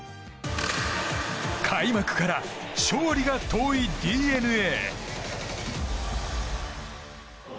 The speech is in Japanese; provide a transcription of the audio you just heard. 開幕から勝利が遠いＤｅＮＡ。